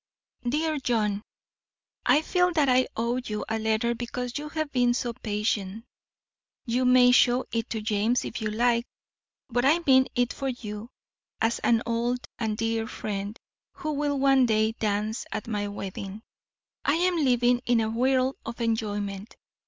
DEAR JOHN: I feel that I owe you a letter because you have been so patient. You may show it to James if you like, but I mean it for you as an old and dear friend who will one day dance at my wedding. I am living in a whirl of enjoyment.